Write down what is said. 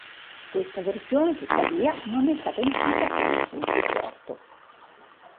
Questa versione tuttavia non è stata incisa su nessun supporto.